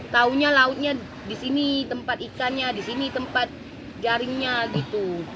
tahunya lautnya di sini tempat ikannya di sini tempat jaringnya gitu